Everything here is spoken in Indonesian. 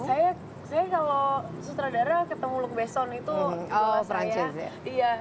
saya kalau sutradara ketemu luc besson itu itu saya